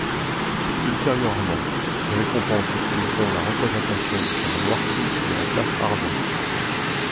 Ultérieurement, ces récompenses utiliseront la représentation du char noirci de la classe Argent.